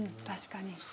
確かに。